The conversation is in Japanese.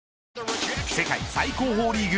世界最高峰リーグ